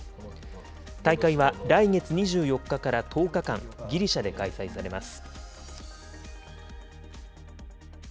大会は来月２４日から１０日間、ギリシャで開催されます。